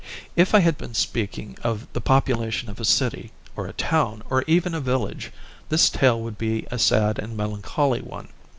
If I had been speaking of the population of a city, or a town, or even a village, the tale would be a sad and melancholy one.